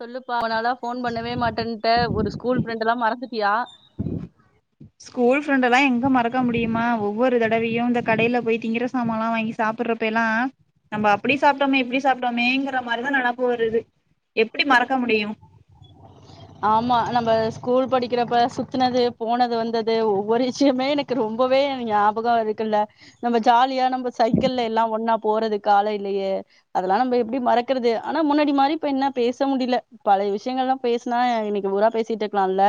சொல்லுப்பா ரொம்ப நாளா போன் பண்ணவே மாட்டேன்ட்ட ஒரு ஸ்கூல் ஃப்ரெண்ட்ல்லாம் மறந்துட்டியா ஸ்கூல் ஃப்ரெண்ட எல்லாம் எங்க மறக்க முடியுமா ஒவ்வொரு தடவையும் இந்த கடைல போய் திங்கிற சாமான் எல்லாம் வாங்கி சாப்பிடுறப்பயேல்லாம் நம்ம அப்படி சாப்பிட்டோமே இப்படி சாப்பிட்டோமேங்கிற மாதிரிதான் நனப்பு வருது எப்படி மறக்க முடியும் ஆமா நம்ம ஸ்கூல் படிக்கிறப்ப சுத்தினது போனது வந்தது ஒவ்வொரு விஷயமே எனக்கு ரொம்பவே ஞாபகம் இருக்குல்ல நம்ம ஜாலியா நம்ம சைக்கிள்ல எல்லாம் ஒன்னா போறது காலையிலயே அதெல்லாம் நம்ம எப்படி மறக்கறது ஆனா முன்னாடி மாரி இப்ப என்ன பேச முடியல பழ விஷயங்கல்லாம் பேச னா இன்னைக்கு புரா பேசிட்டு இருக்கலாம்ல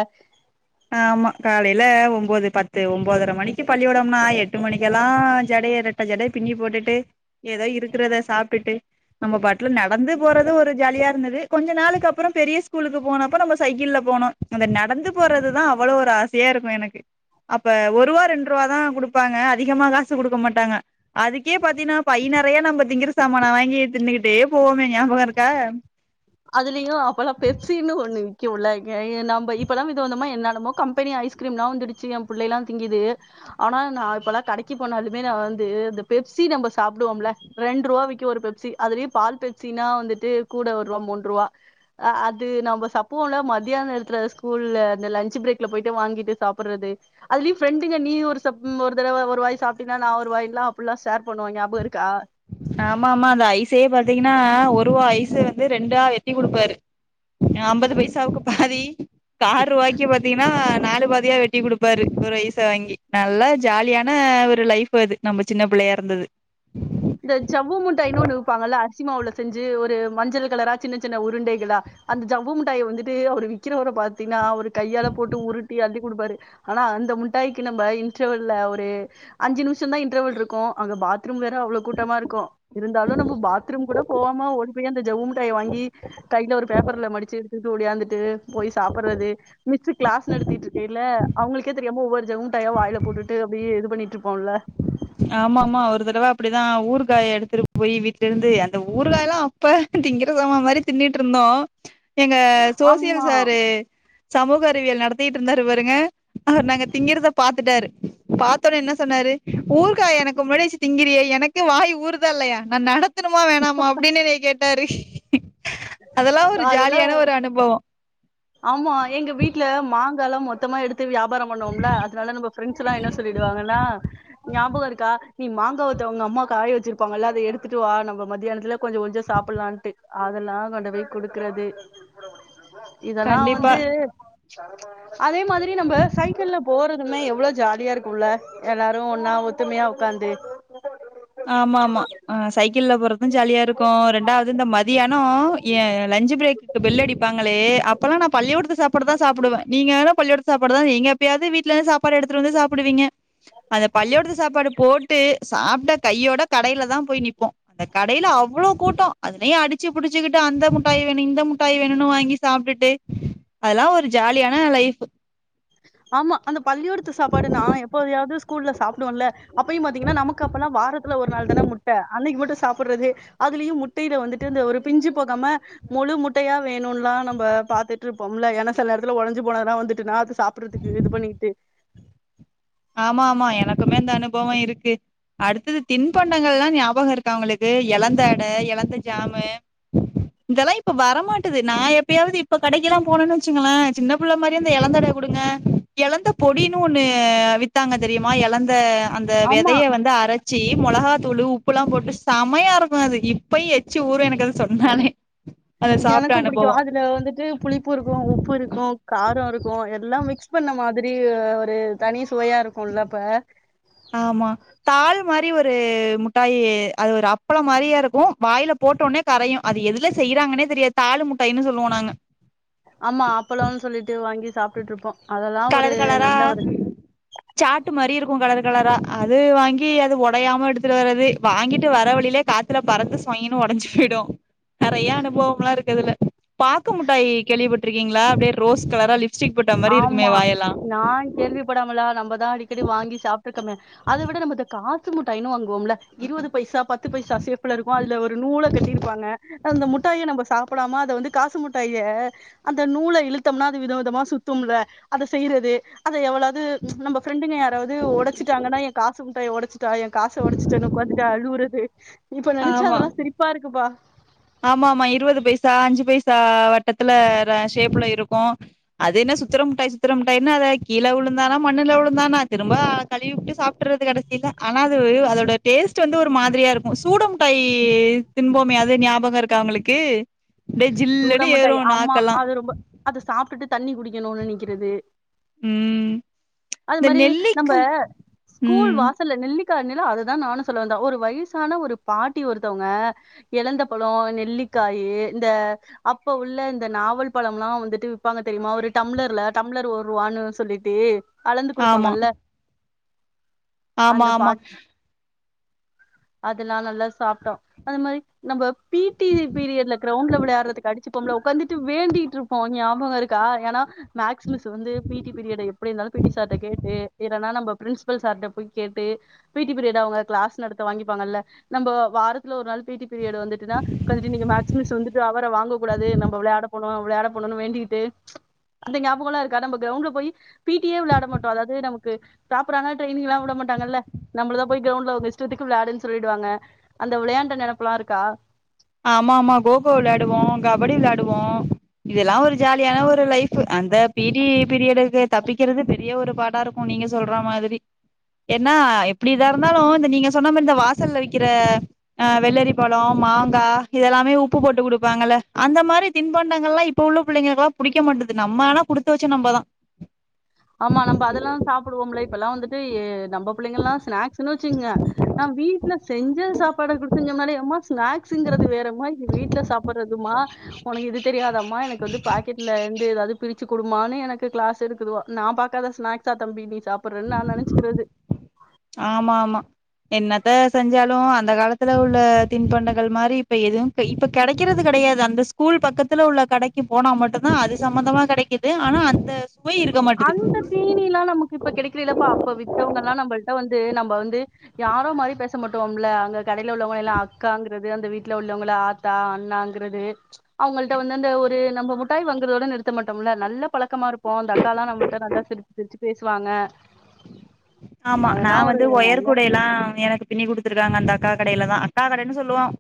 ஆமா காலையில ஒம்போது பத்து ஒன்பதர மணிக்கு பள்ளியோடம்னா எட்டு மணிக்கெல்லாம் ஜடைய இரட்ட ஜடைய பின்னி போட்டுட்டு ஏதோ இருக்கிறத சாப்பிட்டுட்டு நம்ம பாட்ல நடந்து போறது ஒரு ஜாலியா இருந்தது கொஞ்ச நாளுக்குக்கு அப்புறம் பெரிய ஸ்கூலுக்கு போனப்ப நம்ம சைக்கிள்ல போனோம் அந்த நடந்து போறது நான் அவ்வளவு ஒரு ஆசையா இருக்கும் எனக்கு அப்ப ஒருவா ரெண்ருவா தான் கொடுப்பாங்க அதிகமா காசு குடுக்க மாட்டாங்க அதுக்கே பாத்தீனா பை நிறையா நம்ம திங்கிற சாமான் வாங்கி தின்னுகிட்டே போவோமே ஞாபகம் இருக்கா இல்லியோ அப்பெல்லாம் பெப்சின்னு ஒண்ணு உல்லவங்க இ நம்ம இப்பலாம் விதவிதமா என்னானமோ கம்பெனி ஐஸ்கிரீம்லாம் வந்துடுச்சு என் பிள்ளைலா திங்குது ஆனா நான்ப்பல்லாம் கடைக்கு போனாலும்மே நா வந்து அந்த பெப்சி நம்ப சாப்டுவோம்ல ரென்ருவ விக்கும் ஒரு பெப்சி அதுலயும் பால் பெப்சினா வந்துட்டு கூட மூன்றுபா அது நம் சப்புவோம்ல மத்தியான நேரத்துல ஸ்கூல்லல இந்த லன்ச் பிரேக்ல போயிட்டு வாங்கிட்டு சாப்பிடுறது அதுல ப்ரெண்டுங்க நீ ஒரு சப்பு ஒரு தடவ ஒரு வாய் சாப்ட்டீங்கனா நான் ஒரு வாயல்லாம் அப்புட்ல்லாம் ஷேர் பண்ணுவாங்க ஞாபகம் இருக்கா ஆமா ஆமா அந்த ஐசே பாத்தீங்கன்னா ஒருவா ஐச வந்து ரெண்டா வெட்டி குடுப்பாரு அம்பது பைசாவுக்கு பாதி கார்ருவாக்கி பாத்தீங்கன்னா நாலு பதியா வெட்டி குடுப்பாரு ஒரு ஐச வாங்கி நல்லா ஜாலியான ஒரு லைஃப் அது நம்ம சின்ன பிள்ளையா இருந்தது ந்தத் ஜவ்வுமுட்டாயுன்னு ஒன்ணு விப்பாங்கள அரிசி மாவுல செஞ்சு ஒரு மஞ்சள் கலரா சின்ன சின்ன உருண்டைகளா அந்த ஜவ்வவு முட்டாய வந்துட்டு அவர் விக்கிறவர பாத்தீன்னா அவரு கையால்ல போட்டு உருட்டி அடி குடுப்பாரு ஆனா அந்த முட்டாய்க்கு நம்ம இன்டர்வல்ல ஒரு அஞ்சு நிமிஷம் தான் இன்டர்வல் இருக்கும் அங்க பாத்ரூம் வேற அவ்வளவு கூட்டமா இருக்கும் இருந்தாலும் நம்ம பாத்ரூம் கூட போவாம ஓடிப்போய் அந்த ஜவ்வு முட்டாயா வாங்கி கைல ஒரு பேப்பர்ல மடிச்சு எடுத்துட்டு ஒடியாந்துட்டு போய் சாப்பிறது மிச் கிளாஸ் நடத்திட்டு இருக்கைல அவங்ளுகே தெரியாம ஒவ்வொரு ஜவ்வுமுட்டாயா வாய்ல போட்டு அப்டியே இது பண்ணி ட்டுப்போம்ல ஆமா ஆமா ஒரு தடவ அப்படிதான் ஊரு காய எடுத்துட்டு போய் வீட்ல இருந்து அந்த ஊரு காய எல்லாம் அப்ப திங்கிற சாம மாதிரி தின்னுட்டு இருந்தோம் எங்க சோசியல் ஆமா சாரு சமூக அறிவியல் நடத்திட்டு இருந்தாரு பாருங்க அவரு நாங்க திங்கிறத பாத்துட்டாரு பாத்தோனே என்ன சொன்னாரு ஊர்காய் எனக்கு முன்னாடி வச்சு திங்கிரியே எனக்குவாய் ஊறுதா இல்லையா நான் நடத்தணுமா வேணாமா அப்படின்னு என்ன கேட்டாரு அதெல்லா ஒரு அதுல ஜாலியான ஒரு அனுபவோ ஆமா எங்க வீட்டுல மாங் கா மொத்தமா எடுத் வியாபாரம் பண்ணோம்ல அதனால நம்மஃபிரண்ட்ஸ் எல்லாம் என்ன சொல்லிடுவாங்கன்னா ஞாபகம் இருக்கா நீ மாங்காவத்த உங்க அம்மா காய வச்சிருப்பாங்கல்ல அத எடுத்துட்டு வா நம்ம மத்தியானத்துல கொஞ்சம் கொஞ்சம் சாப்புலாம்ன்ட்டு அதெல்லாம் கொண்டு போய் குடுக்கறது இதெல்லாம் கண்டிப்பா வந்து அதே மாதிரி நம்ம சைக்கிள்ல போறதுமே எவ்வளவு ஜாலியா இருக்கும்ல எல்லாரும் ஒன்னா ஒத்துமையா ஒட்காந்து ஆமா ஆமா ஆஹ் சைக்கிள்ல போறதும் ஜாலியா இருக்கும் ரெண்டாவது இந்த மத் மத்யானம் என் லஞ்சு பிரேக்குக்கு பெல் அடிப்பாங்களே அப்பல்லாம் நான் பள்ளியோடத்து சாப்பாடு தான் சாப்டுவேன் நீங்க வேனா பள்ளியோடத்து சாப்பாடு தான் எங்க எப்பயாவது வீட்டுலந்து சாப்பாடு எடுத்துட்டு வந்து சாப்பிடுவீங்க அந்த பள்ளியூடத்து சாப்பாடு போட்டு சாப்ட கையோட கடையில தான் போய் நிப்போம் அந்த கடையில அவ்வளவு கூட்டம் அதுலயே அடிச்சு புடிச்சுக்கிட்டு அந்த முட்டாய் வேணும் இந்த முட்டாய் வேணும்னு வாங்கி சாப்டுட்டு அதெல்லாம் ஒரு ஜாலியான லைஃப் ஆமா அந்த பள்ளியோடத்து சாப்பாடு நான் எப்போயாவது கூல்ல சாப்புடுவோம்ல அப்பயும் பாத்தீங்கன்னா நமக்கு அப்பல்லாம் வாரத்துல ஒரு நாள் தானே முட்ட அன்னைக்கு மட்டும் சாப்பிடுறது அதுலயும் முட்டையில வந்திட்டு ஒரு பிஞ்சு போகாம முழு முட்டையா வேணும்லாம் நம்மபாத்துட்டு இருப்போம்ல ஏன்னா செல நேரத்ல ஒடஞ்சுபோனதெல்லாம் வந்துட்டுனா அது சாப் சாப்றதுக்கு இது பண்ணிக்கிட்டு ஆமா ஆமா எனக்குமே அந்த அனுபவம் இருக்கு அடுத்தது தின்பண்டங்கள் எல்லாம் ஞாபகம் இருக்கா உங்களுக்கு எலந்த அட எலந்த ஜாமு இதெல்லாம் இப்ப வரமாட்டது நான் எப்பயாவது இப்ப கடைக்கெல்லாம் போனன்னு வச்சுங்களேன் சின்ன பிள்ள மாதிரி அந்த எழந்தவட கொடுங்க எழந்த பொடினு ஒண்ணு வித் வித்தாங்க தெரியுமா எலந்த அந்த ஆமா வெதய வந்து அரச் ச்சி மொளகாத்தூள் உப்பு எல்லாம் போட்டு சமையா இருக்கும் அது இப்பயு எச்சு ஊரும் எனக்கு அது சொன்னாலே அத சாப்ட்ட எனக்கும் அனுபவோ பிடிக்கும் அதுல வந்துட்டு புளிப்பு இருக்கும் உப்பு இருக்கும் காரம் இருக்கும் எல்லாம் மிக்ஸ் பண்ண மாதிரி ஒரு தனி சுவையா இருக்கும்லப்ப ஆமா தாள் மாரி ஒரு முட்டாயி அது ஒரு அப்பள மாதிரியே இருக்கும் வாயில போட்டோனே கரையும் அது எதுல செய்யறாங்கன்னே தெரியாது தாலு முட்டாய்னு சொல்லுவோம் நாங்க ஆமா அப்பலம்னு சொல்லிட்டு விட்டு வாங்கி சாப்பிட்டுட்டு இருப்போம் அதெல்லாம் ஒரு கலர் கலரா நல்ல ஒரு சாட்டு மாரி இருக்கு கலர் கலரா அது வாங்கி அது உடையாம எடுத்துட்டு வர்றது வாங்கிட்டு வர வழியிலே காத்துல பறந்து சொய்ங்னு உடஞ்சு போயிடும் நெறைய அனுபவம்லாம் இருக்குது அதுல பக்கு முட்டாய் கேள்விப்பட் இருக்கீங்களா அப்டியே ரோஸ் கலரா லிப் ஆமா நான் கேள்வி படாமலா நம்ம அடிக்கடி வாங்கி சாப்பிட்டு இருக்கமே அதை விட நம்ம காசு முட்டைன்னும் வாங்குவோம்ல இருபது பைசா பத்து பைசா சேப்ல இருக்கும் அதுல ஒரு நூல கட்டிருப்பாங்க அந்த முட்டாயை நம்ம சாப் அப்பலாமா அதை வந்து காசு முட்டாய அந்த நூல இழுத்தம்னா அது வித விதமா சுத்த சுத்தும்ல அதை செய்யறது அதை எவ்வளவு நம்ம ஃபிரண்டுங்க யாராவது உடைச்சிட்டாங்கன்னா என் காசு முட்டைய உடைச்சு என் காசை உடைச்சுட்டு உக்காந்துட்டு அழுவுறது து இப்ப நெனச்சா ஆமா அதெல்லாம் சிரிப்பா இருக்குப்பா ஆமா ஆமா இருபது பைசா அஞ்சு பைசா வட்டத்துல ஷேப்ல இருக்கும் அது என்ன சுத்துர முட்டாய் சுத்துர மிட்டாயினு அத கீழ விழுந்தா என்னா மண்ணுல விழுந்தானா திரும்ப கழுவிட்டு சாப்பிட்டுறது கடைசில ஆனா அது அதோட டேஸ்ட் வந்து ஒரு மாதிரியா இருக்கும் சூடமுட்டாய் திம்போமே அது ஞா ஞாபகம் இருக்கா உங்களுக்கு ஜில்லுன்னு ஏறு சூடமுட்டாய் ஆமா நாக்கெல்லா அது ரொம்ப அதை சாப்பிட்டு தண்ணி குடிக்கணும்னு நிக்கிறது உம் அது மாரி நம்ம ஸ்கூல் ம் வாசல நெல்லிக் க்கா அதுதா நானும் சொல்ல வந்தே ஒரு வயசான ஒரு பாட்டி ஒருத்தவங்க எழந்த பழம் நெல்லிக்காயி இந்த அப்ப உள்ள இந்த நாவல் பழம்லாம் வந்துட்டு விப்பாங்க தெரியுமா ஒரு டம்ளர்ல டம்ளர் ஒரு ரூவானு சொல்லிட்டு அளந்து ஆமா குடுப்பாங்கல்ல ஆமா ஆமா அதுனா நல்லா சாப்பிட்டோம் அது மாரி நம்ம பீட்டி பீரியடுல கிரண்டுல விளையாடுறதுக்கு அடிச்சுபோம்ல உக்காந்துகிட்டு வேண்டிட்டு இருப்போம் ஞாபகம் இருக்கா ஏன்னா மேக்ஸ் மிஸ் வந்து பீட்டீ பீரியட் எப்டி இருந்தாலும் பீட்டீ சார்ட கேட்டு இல்லனா நம்ம பிரின்சிஸ்பல் சார்ட கேட்டு பீட்டி பீரியட் அவங்க கிளாஸ் நடத்த வாங்கிப்பாங்கள நம்ம வாரத்துல ஒரு நாள் பீட்டீ பீரியடு வந்துட்டுனா ஒக்காந்துட்டு மேக்ஸ் மேக்ஸ் மிஸ் வந்துட்டு ஹவுரா வாங்கக் கூடாது நம்ம விளையாட போனும் விளையாட போடணும்னு வேண்டிட்டு அந்த ஞாபகமல்லாம் இருக்கா நம்ம கிரண்ட்ல போய் பீட்டீயே விளையாட மாட்டோம் அதாவது நமக்கு ப்ராப்பரான டிரைனிங்கலாம் விடமாட்டாங்கல நம்மளதா போய் கிரண்டல போய் நம்ம இஷ்டத்துக்கு விளையாடுனு சொல்லிடுவாங்க அந்த வெளையாண்ட நினப்புல்லாம் இருக்கா ஆமா ஆமா கோக்கோ விளையாடுவோம் கபடி விளையாடுவோம் இதெல்லாம் ஒரு ஜாலியான ஒரு லைஃப் அந்த பீட்டீ பீரியடுக்கு தப்பிக்கிறது பெரிய ஒரு பாடா இருக்கும் நீங்க சொல்ற மாரி ஏன்னா எப்டி இதா இருந்தாலும் இந்த நீங்க சொன்ன மாரி இந்த வாசல்ல விக்கிற ஆ வெள்ளரி பழம் மாங்கா க்கா இதெல்லாமே உப்பு போட்டு குடுப்பாங்கல்ல அந்த மாரி தின்பண்டங்கள் எல்லாம் இப்ப உள்ள புள்ளைங்களல்லாம் புடிக்க மாட்டது நம்ம ஆனா குடுத்து வச்ச நம்மதா ஆமா நம்ப அதெல்லாம் சாப்படுவோம்ல இப்பெல்லாம் வந்துட்டு நம்ப புள்ளைங்க எல்லாம் ஸ்நாக்ஸ்ன்னு வச்சுங்க நா வீட்டுல செஞ்சதா சா வீட்டு பாடம் குடிச்சிருசம்ன்னாலே அம்மா ஸ்நாக்ஸ்ங்கிறது வேறம்மா இது வீட்டுல சாப்படடுறதுமா உனக்கு இது தெரியாதம்மா எனக்கு வந்து பாக்கெட்ல இருந்து எதாவது பிரிச்சு குடுமான்னு எனக்கு கிளாஸ் எடுத்துரூவா நா பாக்காத ஸ்நாக்ஸா தம்பி நீ சாப்படறேன்னு நா நினச்சுக்கிறது ஆமா ஆமா என்னத்த செஞ்சாலும் அந்த காலத்துல உள்ள தின்பண்டங்கள் மாரி இப்ப எதுவும் இப்ப கெடைக்கிறது கெடையாது அந்த ஸ்கூல் பக்கத்துல உள்ள கடைக்கு போனா மட்டும்தா அது சம்மந்தமா கெடைக்குது ஆனா அந்த சுவை இருக்க மாட்டுது அந்த தீனி எல்லாம் நமக்கு இப்ப கெடைக்கறல்லப்பா அப்ப வித்தவங்க எல்லாம் நம்மளிட்ட வந்து நம்ம வந்து யாரோ மாதிரி பேச மாட்டோம்ல அங்க கடல உள்ளவங்க எல்லாம் அக்காங்குறது அந்த வீட்டுல உள்ளவங்கள ஆா அண்ணாங்கிறது அவங்கள வந்து அந்த ஒரு நம்ம மட்டாய் வாங்குறதோ நிறுத்த மாட்டோம் நல்ல பழக்கமா இருப்போம் அந்த அக்கல்லாம் நம்மளிட்ட நல்லா சிரிச்சு சிரிச்சு பேசுவாங்க ஆமா நான அதெல்லா ஒரு வந்து நல்ல ஒயர்கூடய எல்லாம் எனக்கு பின்னி குடுத்துருக்காங்க அந்த அக்கா கடயில தான் அக்கா கடன்னு சொல்லுவோம்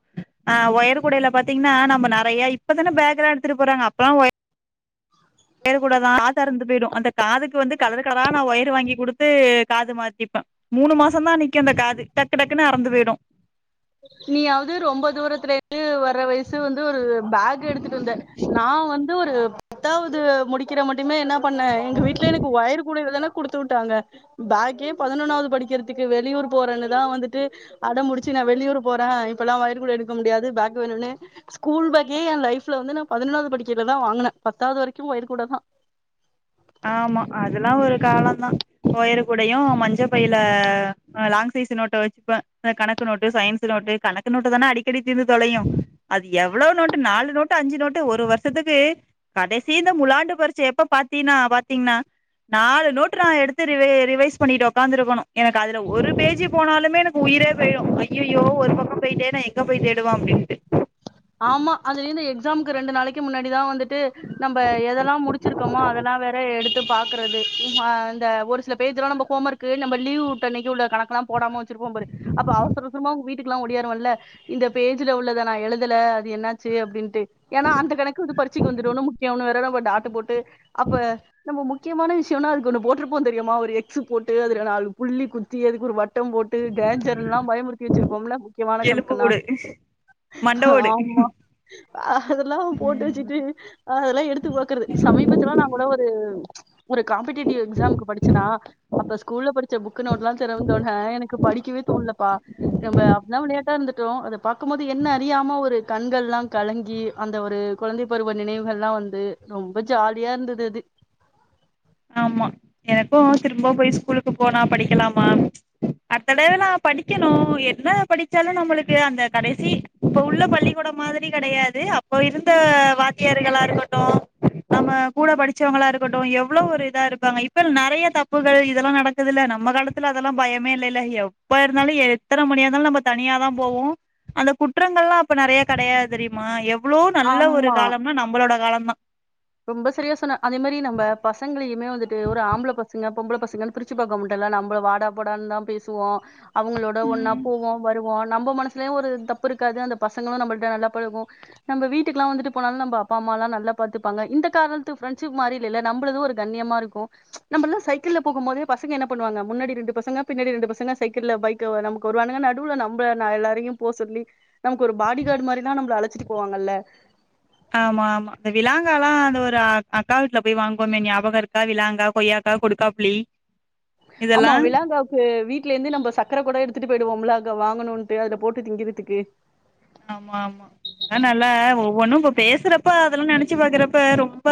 ஒயர் குடில பாத்தீங்கன்னா நம்ம நெறைய இப்பதானே பேக்ரண்ட் எடுத்துட்டு போறாங்க அப்பல்லாம் ஒயர் குட தான் காத்த இருந்து போயிடும் அந்த காதுக்கு வந்து கலர் கலரா நான ஒயர் வாங்கி கொடுத்து காது மாத்திப்ப மூணு மாசம் தான் நிற்க அந்த காது டக்கு டக்குன்னு அருந்துரும் பேயடும் நீயாவது ரொம்ப தூரத்துலந்து வர்ற வயசு வந்து ஒரு பேக் எடுத்துட்டு வந்தேன் நான வந்து ஒரு பத்தாவது முடிக்கிற மட்டி தீடீர் என்ன பண்ண எங்க வீட்டுல எனக்கு ஓயர்க்கூடதான் என கொடுத்து விட்டாங்க பாக்கி பதினொன்னாவது படிக்கிறதுக்கு வெளியூர் போறேன்னுதான் வந்துட்டு அட முடிச்சு ந வெளியூர் போறேன் இப்ல்லாம் ஓயர்க்கூடதான் எடுக்க முடியாது பேக் வேணும்னு ஸ்கூல் பேக்கே என் லைஃப்ல வந்து நான பதினொன்னாவது படிக்கிலதான் வாங்கினேன் பத்தாவது வரைக்கும் ஓயர்க்கூடதான் ஆமா அதெல்லாம் ஒரு காலம்தான் ஒயறு குடயும் மஞ்ச பையில லாங் சைஸ் நோட்ட வச்சுப்பேன் கணக்கு நோட்டு சயின்ஸ் நோட்டு கணக்கு நோட்ட தானே அடிக்கடி தீர்ந்து தொலையும் அது எவ்வளவு நோட்டு நாலு நோட்டு அஞ்சு நோட்டு ஒரு வருஷத்துக்கு கடசி இந்த முலாண்டு பரட்சை எப்ப பா பத்தனா பாத்தீங்கன்னா நாலு நோட்டு் நான் எடுத்து ரிவைஸ் பண்ணிட்டு உக்காந்துருக்கணும் எனக்கு அதுல ஒரு பேஜி போனாலுமே எனக்கு உயிரே போயிடும் ஐயோ ஒரு பக்கம் போயிட்டேன்னா எங்க போய் தேடுவான் அப்டின்ட்டு ஆமா அதுல எ எக்ஸ்கக்கு ரெண்டு நாளைக்கு முன்னாடிதான் வந்துட்டு நம்ம எதெல்லாம் முடிச்சிருக்கோமோ அதெல்லாம் வேற எடுத்து பா்கறது அ ஒரு சில பேஜ்லாம் நம்ம ஹோம் ஒர்கு நம்ம லீவ் அன்னைக்கி உள்ள கணக்கெல்லாம் போடாம வச்சிருப்போம் அப்ப அவசரசரமாங்க வீட்டுக்குெல்லாம ஓடியாருவல்ல இந்த பேஜ்ல உள்ளத நான எழு அ என்னச்ச அப்டின் அந்த கணக்குந்து பறிச்ச வந்து அல்ல நா முக்கியமான விஷயம்து போிருப்போம் தெரியுமா ஒரு போட்டு அல நாலு புள்ளி கு எது கு ஒரு வட்டம் போட்டு கேஜர் எல்லாம் பயமுறுத்தி வச்சிருப்போம்ல முக்கியமான எலும்பு கணக்குன்னா ஓடு மண்ட ஓடு ஆமா அதெல்லாம் போட்டு ம் வச்சுட்டு அதெல்லாம் எடுத்து பாக்குறது சமீபத்துலாம் நான கூட ஒரு ஒரு காம்பேட்டிவ் எக்ஸாமக்கு படிச்சனா அப்ப ஸ்கூல்ல படிச்ச புக்கு நோட எல்லாம் தெரிந்தோடனே எனக்கு படிக்கவே தோணலப்பா நம்ம அட்டா இருட்டோம் அத ப்கும்போது என்ன தெரியாம ஒரு கண்கள் எல்லாம் கலங்கி அந்த ஒரு கொழந்தை பருவ நினைவுகள் எல்லாம் வந்து ரொம்ப ஜாலியா இருந்தது அது ஆமா எனக்கும் திரும்ப போய் ஸ்கூலுக்கு போனா படிக்கலாமா அடுத்த தடவ நான படிக்கணும் என்ன படிச்சாலும் நம்மளுக்கு அந்த கடசி இப்ப உள்ள பள்ளிக்கூட மாரி கெடையாது அப்போ இருந்த வாத்தியார்களா இருக்கட்டும் நம்ம கூட படிச்சவங்களா இருக்கட்டும் எவ அவ்வளவு இதா இருப்பாங்க இப்ப நெறைய தப்புகள் இதெல்லாம் நடக்குது இல்ல நம்ம காலத்துல அதெல்லாம் பயமே இல்லல்ல எப்ப இருந்தாலும் எத்தனை மணியா இருந்தாலும் நம்ம தனியா தான் போவோம் அந்த குற்றங்கள் எல்லாம் அப்ப நெறைய கெடையாது தெரியுமா இவ்வளோ நல்ல ஒரு ஆமா காலம்னா நம்மளோட காலம் ஆ ரொம்ப சரியா சொன்ன அதே மாரி நம்ப பசங்களையு மே வந்துட்டு ஒரு ஆம்பள பசங்க பொம்பள பசங்கன் பிரிச்சு பாக்க முட்டல்ல நம்ப வாடா போடான் தா பேசுவோ அவுங்களோட ஒன்னா ம் போவோ வரு லோ நம்ம மனசுலயுஒரு தப்பு இருக்காது அந்த பசங்களு நம்மள்ட நல்லா பழகு நம்ப வீட்டுக்லா வந்துட்டு போனாலு நம்ப அப்பாம்மால்லா நல்லா பாத்து பாங்க இந்த காலத்து ஃப்ரெண்ட்ஷிப் மாரி இல்லெல நம்ளது ஒரு கண்ணியமா இருக்கு நம்பல்லா சைக்கிள்ல போகும் போதே பசங்க என்ன பண்ணுவாங்க முன்னாடி ரெண்டு பசங்க பின்னாடி ரெண்டு பசங்க சைக்கிள்ல பைக் நமக்கு வருவானுங்கா நடுல நம்ப ந எல்லாரையு போ சொல்லி நமக்கு ஒரு பாடி கார்ட் மாரிதா நம்ள அழ ச்சுட்டு போவாங்கல்ல ஆமா ஆமா இந்த விலாங்காலா அது ஒரு அக்கா வீட்ல போய் வாங்கோமே ஞாபகொ இருக்கா விலாங்கா கொய்யாக்கா கொடுக்காப்புளி ஆமா இதெல்லாம் விலாங்காவுக்கு வீடலேந்து நம்ப சக்கர கூட எடுத்துட்டு போயிடுவோம்ல க வாங்கணுன்ட்டு அதுல போட்டு திங்கிறதுக்கு ஆமா ஆமா இதல்லா நல்லா ஒவ்வொன்னு இப்ப பேசுறப்ப அதெல்லா நெனச்சு பாக்குறப்ப ரொம்ப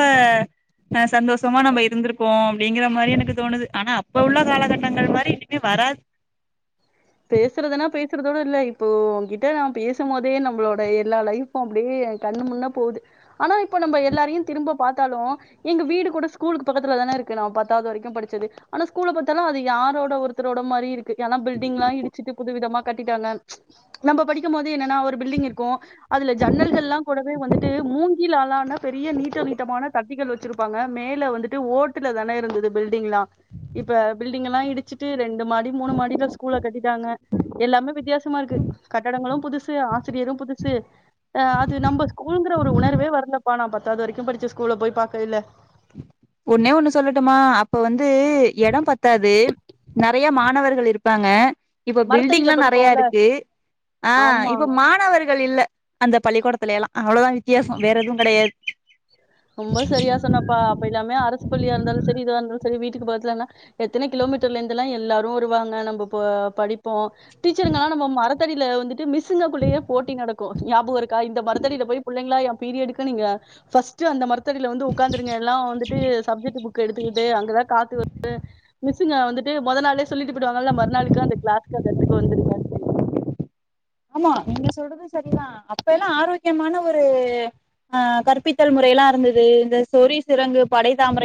ஆ சந்தோஷமா நம்ம இருந்துருப்போ ப்பிடிங்கிற மாரி எனக்கு தோணுது ஆனா அப்ப உள்ள காலகட்டங்கள் மாரி இனிமே வராது பேசுறதுனா பேசுறதோட இல்ல இப்போ ஒங்கிட்ட நா பேசும் போதே நம்ளோட எல்லா லைஃப்பு அப்புடியே கண்ணு முன்ன போது ஆனா இப்ப நம்ப எல்லாரையு திரும்ப பாத்தாலு எங்க வீடு கூட ஸ்கூலுக்கு பக்கத்துல தானே இருக்கு நாம் பத்தாவது வரைக்கும் படிச்சது ஆனா ஸ்கூல்ல பாத்தாலு அது யாரோட ஒருத்தரோட மாரி இருக் கு என பில் டிங்ளா இடுச்சுட்டு புது விதமா கட்டிட்டாங்க நம்ப படிக்கும் போது என்னனா ஒரு பில்டிங் இருக்கு அதுல ஜன்னல்கள்லா கூடவே வந்துட்டு மூங்கிளாலான பெரிய நீட்ட நீட்டமான தப்பிகள் வெச்சிருப்பாங்க மேல வந்துட்டு ஓட்டுல தானே இருந்தது பில் டிங்ளா இப்ப பில்டிங்லா இடுச்சுட்டு ரெண்டு மாடி மூணு மாடில ஸ்கூல் கட்டிட்டாங்க எல்லாமே வித்தியாசமா இருக்கு கட்டடங்களு புதுசு ஆசிரியரு புதுசு ஆ அது நம்ப ஸ்கூலுங்கிற ஒரு உணர்வே வரல ப்ப நா பத்தாது வரைக்கு படிச்சு ஸ்கூல போய் பாக்கையில ஒன்னே ஒன்னு சொல்லட்டுமா அப்ப வந்து எடோ பத்தாது நெறைய மாணவர்கள் இருப்பாங்க இப்ப மரத்தடியில பில்டிங்லா நெறைய படிப்போம்ல இருக்கு ஆ ஆமா இப்ப மாணவர் கள் இல்ல அந்த பள்ளிக்கூடத்துல எல்லா அவ்ளோ தா வித்தியாசோ வேற எதும் கெடையாது ரொம்ப சரியா சொன்னப்பா அப்ப எல்லாமே அரசு பள்ளியா இருந்தாலு செரி இதுவா இருந்தாலு செரி வீட்டுக்கு பக்கத்துலனா எத்தன கிலோ மீட்டர்ல இருந்துலா எல்லாரு வருவாங்க நம்ப படிப்போ டீச்சருங்கலா நம்ப மரத்தடியில வந்துட்டு மிஸ் மிஸ்ஸுங்ககுள்ளேயே போட்டி நடக்கு ஞாபகோ இருக்கா இந்த மரத்தடில போய் புள்ளைங்களா எம் பீரியடுக்கு நீங்க ஃபஸ் ட்டு அந்த மரத்தடில வந்து ஒக்காந்துருங்க எல்லா வந்துட்டு சப்ஜெக்ட் புக் எடுத்துக்கிட்டு அங்க தா காத்து வருது மிஸ்சுங்க வந்துட்டு மொத நாளே சொல்லிட்டு போயிடுவாங்கல மறுநாளுக்கு அந்த கிளாஸ்க்கு அந்த எடத்துக்கு வந்துருங்கன்ட்டு ஆமா நீங்க சொல்றது செரி தா அப்ப எல்லா ஆரோக்கியமான ஒரு ஆ கற்பித்தல் முறை எல்லா இருந்தது இந்த சொறி சிரங்கு படை தாமரை